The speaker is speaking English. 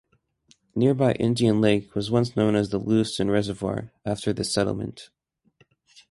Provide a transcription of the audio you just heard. Nearby Indian Lake was once known as the Lewistown Reservoir, after this settlement.